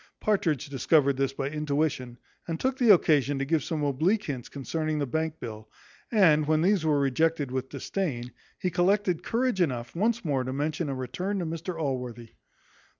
Partridge discovered this by intuition, and took the occasion to give some oblique hints concerning the bank bill; and, when these were rejected with disdain, he collected courage enough once more to mention a return to Mr Allworthy.